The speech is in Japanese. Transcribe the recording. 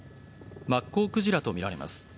マッコウクジラとみられます。